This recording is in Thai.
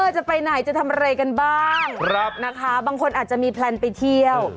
จะไปไหนจะทำอะไรกันบ้างนะคะบางคนอาจจะมีแพลนไปเที่ยว